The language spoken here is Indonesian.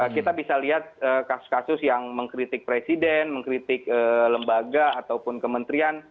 kita bisa lihat kasus kasus yang mengkritik presiden mengkritik lembaga ataupun kementerian